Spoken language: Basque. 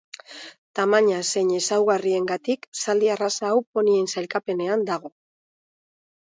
Tamaina zein ezaugarriengatik zaldi arraza hau ponien sailkapenean dago.